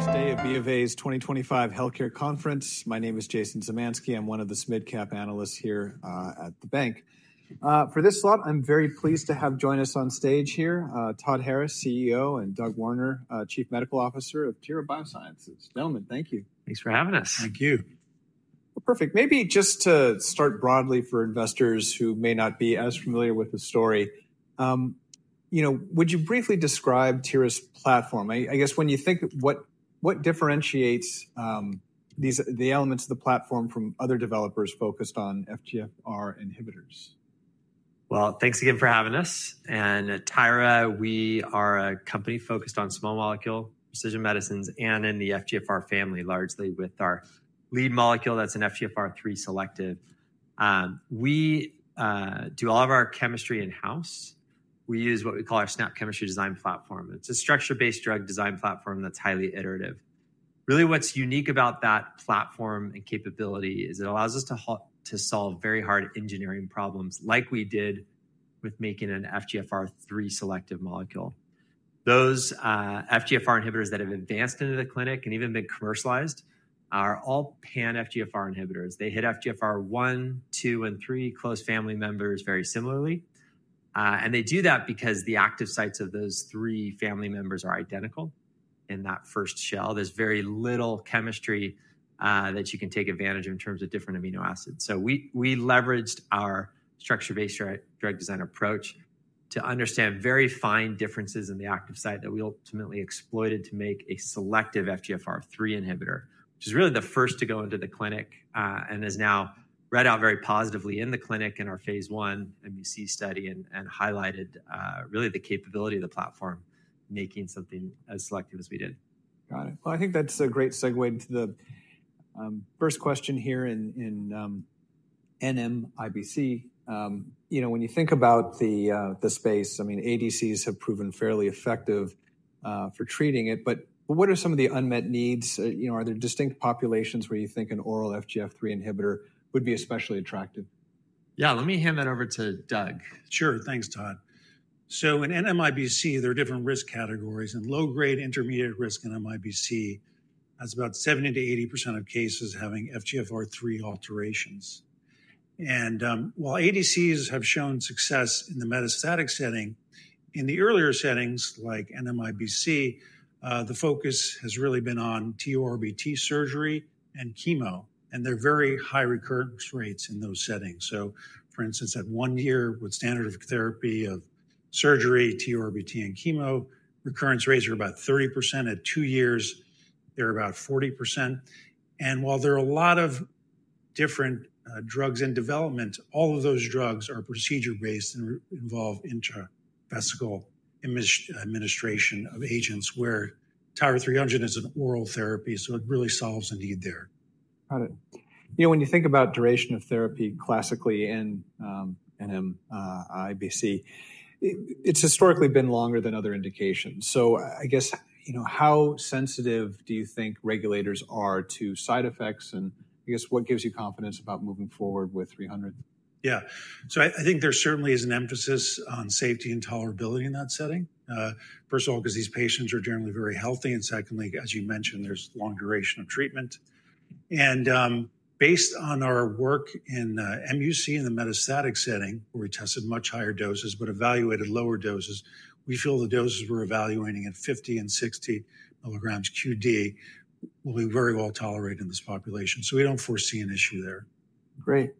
First day of B of A's 2025 Healthcare Conference. My name is Jason Zamanski. I'm one of the SMID-CAP analysts here at the bank. For this slot, I'm very pleased to have join us on stage here: Todd Harris, CEO, and Doug Warner, Chief Medical Officer of Tyra Biosciences. Gentlemen, thank you. Thanks for having us. Thank you. Perfect. Maybe just to start broadly for investors who may not be as familiar with the story, you know, would you briefly describe Tyra's platform? I guess when you think, what differentiates the elements of the platform from other developers focused on FGFR inhibitors? Thanks again for having us. Tyra, we are a company focused on small molecule precision medicines and in the FGFR family, largely with our lead molecule that's an FGFR3 selective. We do all of our chemistry in-house. We use what we call our SNAP Chemistry Design Platform. It's a structure-based drug design platform that's highly iterative. Really, what's unique about that platform and capability is it allows us to solve very hard engineering problems like we did with making an FGFR3 selective molecule. Those FGFR inhibitors that have advanced into the clinic and even been commercialized are all pan-FGFR inhibitors. They hit FGFR1, 2, and 3 close family members very similarly. They do that because the active sites of those three family members are identical in that first shell. There's very little chemistry that you can take advantage of in terms of different amino acids. We leveraged our structure-based drug design approach to understand very fine differences in the active site that we ultimately exploited to make a selective FGFR3 inhibitor, which is really the first to go into the clinic and is now read out very positively in the clinic in our phase one MEC study and highlighted really the capability of the platform, making something as selective as we did. Got it. I think that's a great segue into the first question here in NMIBC. You know, when you think about the space, I mean, ADCs have proven fairly effective for treating it, but what are some of the unmet needs? You know, are there distinct populations where you think an oral FGFR3 inhibitor would be especially attractive? Yeah, let me hand that over to Doug. Sure, thanks, Todd. In NMIBC, there are different risk categories. In low-grade, intermediate risk NMIBC, that's about 70%-80% of cases having FGFR3 alterations. While ADCs have shown success in the metastatic setting, in the earlier settings like NMIBC, the focus has really been on TURBT surgery and chemo, and there are very high recurrence rates in those settings. For instance, at one year with standard of therapy of surgery, TURBT, and chemo, recurrence rates are about 30%. At two years, they're about 40%. While there are a lot of different drugs in development, all of those drugs are procedure-based and involve intravesical administration of agents where TYRA-300 is an oral therapy, so it really solves a need there. Got it. You know, when you think about duration of therapy classically in NMIBC, it's historically been longer than other indications. I guess, you know, how sensitive do you think regulators are to side effects? I guess what gives you confidence about moving forward with 300? Yeah, so I think there certainly is an emphasis on safety and tolerability in that setting. First of all, because these patients are generally very healthy. Secondly, as you mentioned, there is long duration of treatment. Based on our work in MUC in the metastatic setting, where we tested much higher doses but evaluated lower doses, we feel the doses we are evaluating at 50 and 60 milligrams q.d. will be very well tolerated in this population. We do not foresee an issue there. Great.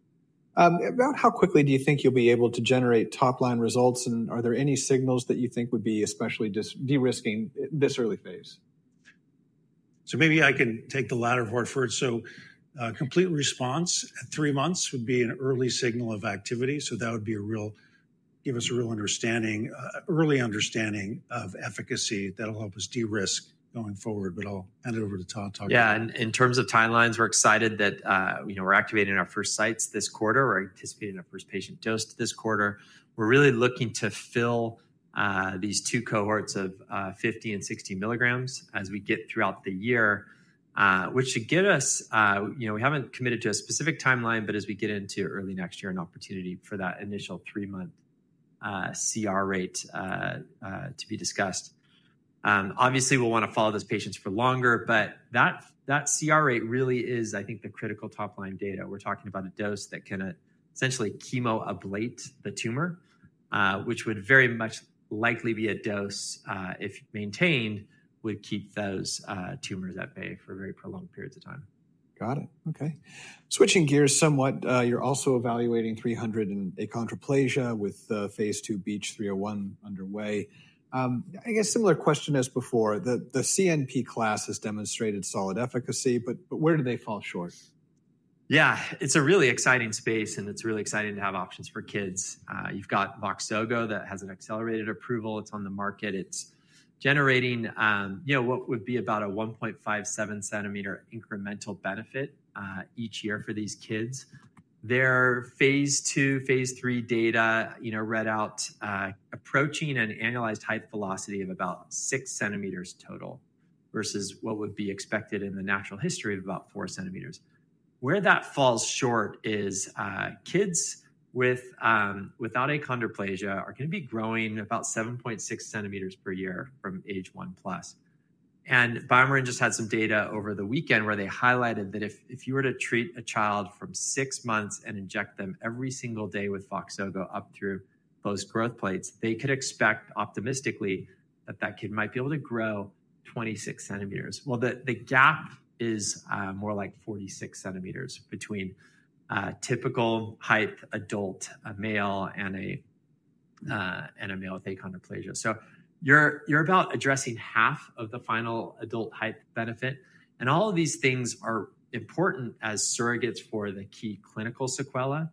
About how quickly do you think you'll be able to generate top-line results? Are there any signals that you think would be especially de-risking this early phase? Maybe I can take the latter part first. Complete response at three months would be an early signal of activity. That would give us a real understanding, early understanding of efficacy that will help us de-risk going forward. I'll hand it over to Todd to talk. Yeah, in terms of timelines, we're excited that, you know, we're activating our first sites this quarter. We're anticipating our first patient dose this quarter. We're really looking to fill these two cohorts of 50 and 60 milligrams as we get throughout the year, which should get us, you know, we haven't committed to a specific timeline, but as we get into early next year, an opportunity for that initial three-month CR rate to be discussed. Obviously, we'll want to follow those patients for longer, but that CR rate really is, I think, the critical top-line data. We're talking about a dose that can essentially chemo-ablate the tumor, which would very much likely be a dose, if maintained, would keep those tumors at bay for very prolonged periods of time. Got it. Okay. Switching gears somewhat, you're also evaluating 300 in achondroplasia with phase two BH301 underway. I guess similar question as before, the CNP class has demonstrated solid efficacy, but where do they fall short? Yeah, it's a really exciting space, and it's really exciting to have options for kids. You've got Voxzogo that has an accelerated approval. It's on the market. It's generating, you know, what would be about a 1.57 cm incremental benefit each year for these kids. Their phase two, phase three data, you know, read out approaching an annualized height velocity of about 6 cm total versus what would be expected in the natural history of about 4 cm. Where that falls short is kids without achondroplasia are going to be growing about 7.6 cm per year from age one plus. And BioMarin just had some data over the weekend where they highlighted that if you were to treat a child from six months and inject them every single day with Voxzogo up through those growth plates, they could expect optimistically that that kid might be able to grow 26 cm. The gap is more like 46 centimeters between typical height adult male and a male with achondroplasia. You're about addressing half of the final adult height benefit. All of these things are important as surrogates for the key clinical sequelae,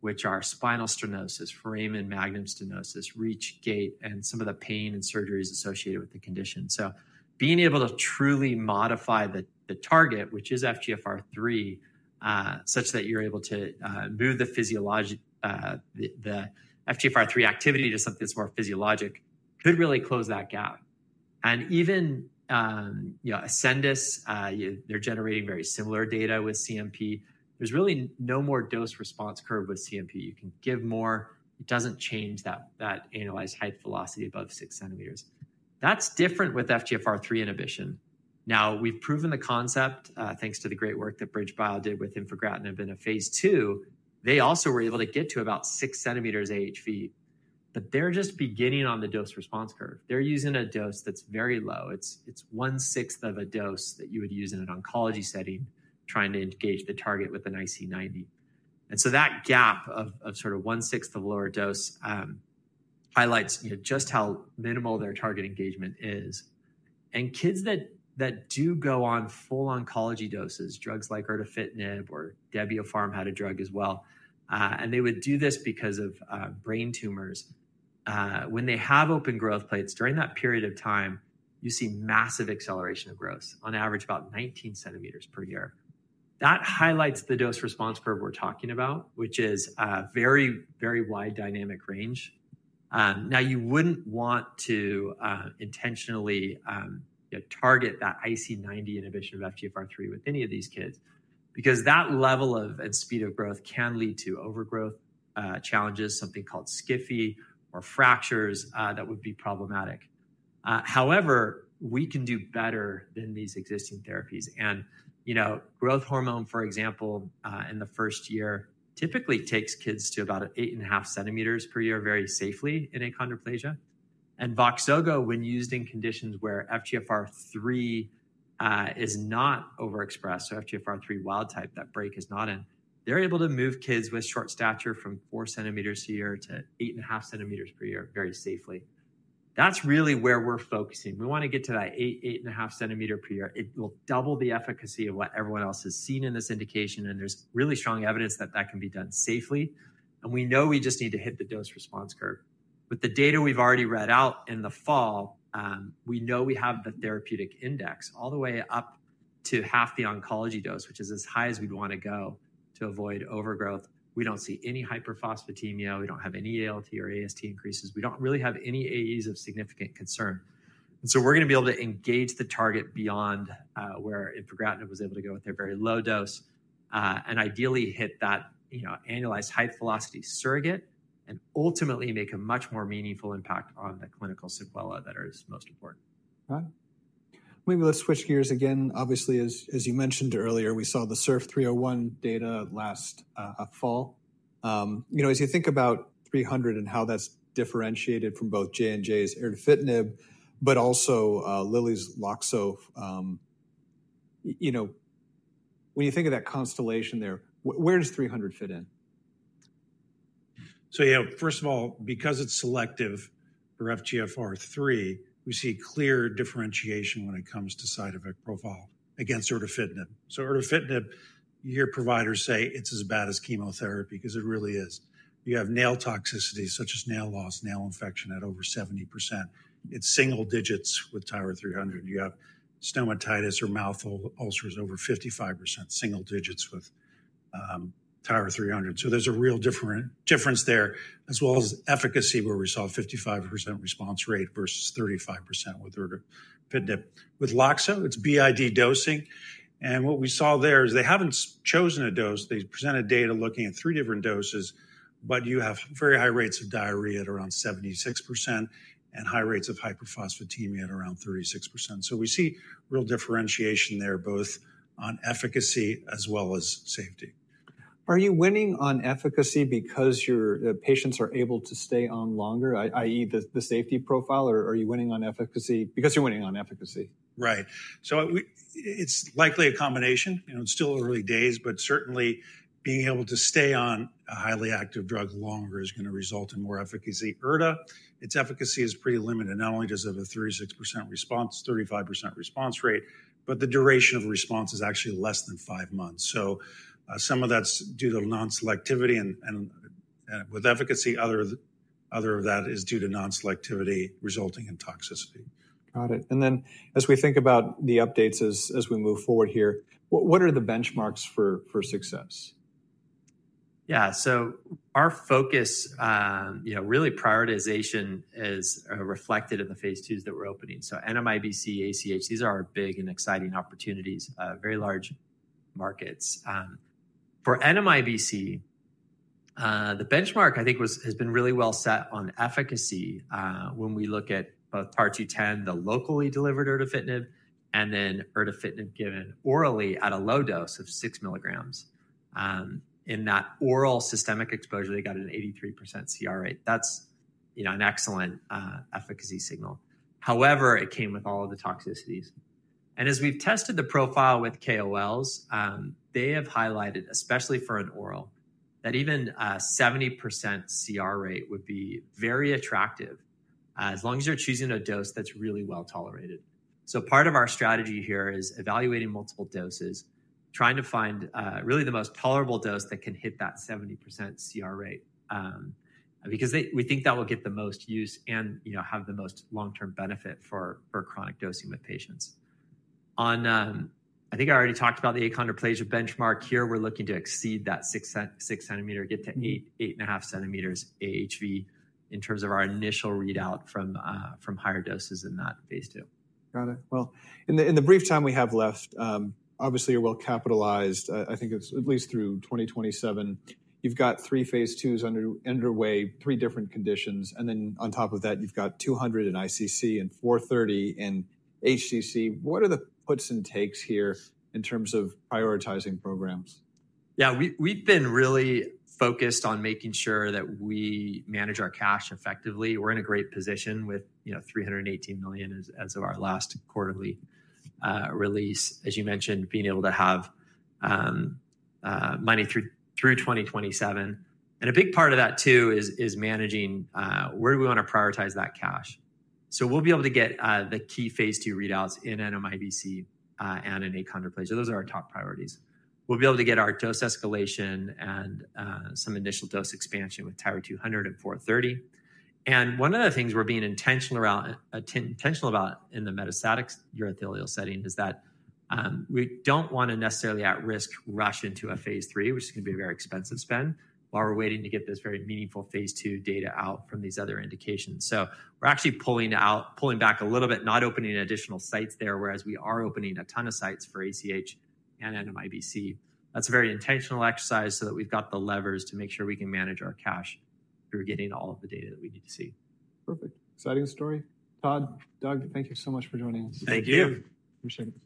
which are spinal stenosis, foramen magnum stenosis, reach gait, and some of the pain and surgeries associated with the condition. Being able to truly modify the target, which is FGFR3, such that you're able to move the FGFR3 activity to something that's more physiologic could really close that gap. Even, you know, Ascendis, they're generating very similar data with CNP. There's really no more dose response curve with CNP. You can give more. It doesn't change that annualized height velocity above 6 centimeters. That's different with FGFR3 inhibition. Now, we've proven the concept thanks to the great work that BridgeBio did with infigratinib in a phase two. They also were able to get to about 6 centimeters AHV, but they're just beginning on the dose response curve. They're using a dose that's very low. It's one-sixth of a dose that you would use in an oncology setting trying to engage the target with an IC90. That gap of sort of one-sixth of lower dose highlights just how minimal their target engagement is. Kids that do go on full oncology doses, drugs like erdafitinib or Debiopharm had a drug as well, and they would do this because of brain tumors, when they have open growth plates during that period of time, you see massive acceleration of growth, on average about 19 centimeters per year. That highlights the dose response curve we're talking about, which is a very, very wide dynamic range. Now, you wouldn't want to intentionally target that IC90 inhibition of FGFR3 with any of these kids because that level of and speed of growth can lead to overgrowth challenges, something called skiffy or fractures that would be problematic. However, we can do better than these existing therapies. You know, growth hormone, for example, in the first year typically takes kids to about 8.5 centimeters per year very safely in achondroplasia. Voxzogo, when used in conditions where FGFR3 is not overexpressed, so FGFR3 wild type, that break is not in, they're able to move kids with short stature from 4 centimeters a year to 8.5 cm per year very safely. That's really where we're focusing. We want to get to that eight, eight and a half centimeter per year. It will double the efficacy of what everyone else has seen in this indication. There is really strong evidence that that can be done safely. We know we just need to hit the dose response curve. With the data we have already read out in the fall, we know we have the therapeutic index all the way up to half the oncology dose, which is as high as we would want to go to avoid overgrowth. We do not see any hyperphosphatemia. We do not have any ALT or AST increases. We do not really have any AEs of significant concern. We're going to be able to engage the target beyond where infigratinib was able to go with their very low dose and ideally hit that annualized height velocity surrogate and ultimately make a much more meaningful impact on the clinical sequelae that are as most important. Got it. Maybe let's switch gears again. Obviously, as you mentioned earlier, we saw the SURF301 data last fall. You know, as you think about 300 and how that's differentiated from both J&J's erdafitinib, but also Lilly's Loxo, you know, when you think of that constellation there, where does 300 fit in? So, you know, first of all, because it's selective for FGFR3, we see clear differentiation when it comes to side effect profile against erdafitinib. So erdafitinib, you hear providers say it's as bad as chemotherapy because it really is. You have nail toxicity such as nail loss, nail infection at over 70%. It's single digits with TYRA-300. You have stomatitis or mouth ulcers over 55%, single digits with TYRA-300. So there's a real difference there, as well as efficacy where we saw a 55% response rate versus 35% with erdafitinib. With Loxo, it's BID dosing. And what we saw there is they haven't chosen a dose. They presented data looking at three different doses, but you have very high rates of diarrhea at around 76% and high rates of hyperphosphatemia at around 36%. So we see real differentiation there both on efficacy as well as safety. Are you winning on efficacy because your patients are able to stay on longer, i.e., the safety profile? Or are you winning on efficacy because you're winning on efficacy? Right. So it's likely a combination. You know, it's still early days, but certainly being able to stay on a highly active drug longer is going to result in more efficacy. Erda, its efficacy is pretty limited. Not only does it have a 36% response, 35% response rate, but the duration of response is actually less than five months. Some of that's due to non-selectivity. With efficacy, other of that is due to non-selectivity resulting in toxicity. Got it. As we think about the updates as we move forward here, what are the benchmarks for success? Yeah, so our focus, you know, really prioritization is reflected in the phase twos that we're opening. NMIBC, ACH, these are our big and exciting opportunities, very large markets. For NMIBC, the benchmark, I think, has been really well set on efficacy when we look at both Part 210, the locally delivered erdafitinib, and then erdafitinib given orally at a low dose of 6 milligrams. In that oral systemic exposure, they got an 83% CR rate. That's, you know, an excellent efficacy signal. However, it came with all of the toxicities. As we've tested the profile with KOLs, they have highlighted, especially for an oral, that even a 70% CR rate would be very attractive as long as you're choosing a dose that's really well tolerated. Part of our strategy here is evaluating multiple doses, trying to find really the most tolerable dose that can hit that 70% CR rate because we think that will get the most use and, you know, have the most long-term benefit for chronic dosing with patients. I think I already talked about the achondroplasia benchmark. Here, we're looking to exceed that 6 centimeter, get to 8, 8.5 centimeters AHV in terms of our initial readout from higher doses in that phase two. Got it. In the brief time we have left, obviously you're well capitalized. I think it's at least through 2027. You've got three phase twos underway, three different conditions. Then on top of that, you've got 200 in ICC and 430 in HCC. What are the puts and takes here in terms of prioritizing programs? Yeah, we've been really focused on making sure that we manage our cash effectively. We're in a great position with, you know, $318 million as of our last quarterly release. As you mentioned, being able to have money through 2027. A big part of that too is managing where do we want to prioritize that cash. We'll be able to get the key phase two readouts in NMIBC and in achondroplasia. Those are our top priorities. We'll be able to get our dose escalation and some initial dose expansion with TYRA-200 and TYRA-430. One of the things we're being intentional about in the metastatic urothelial setting is that we don't want to necessarily at risk rush into a phase three, which is going to be a very expensive spend while we're waiting to get this very meaningful phase two data out from these other indications. We're actually pulling back a little bit, not opening additional sites there, whereas we are opening a ton of sites for ACH and NMIBC. That's a very intentional exercise so that we've got the levers to make sure we can manage our cash through getting all of the data that we need to see. Perfect. Exciting story. Todd, Doug, thank you so much for joining us. Thank you. Appreciate it.